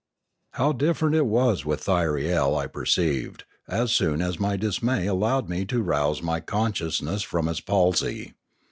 How different it was with Thyriel, I perceived, as soon as my dismay allowed me to rouse my conscious ness from its palsy.